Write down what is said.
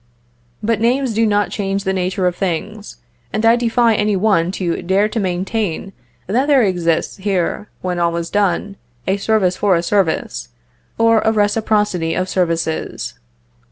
But names do not change the nature of things; and I defy any one to dare to maintain that there exists here, when all is done, a service for a service, or a reciprocity of services.